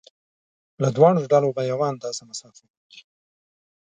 له دواړو ډلو په یوه اندازه مسافه ولري.